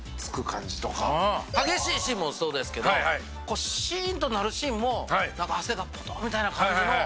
激しいシーンもそうですけどこうシーンとなるシーンもなんか汗がポトッみたいな感じの。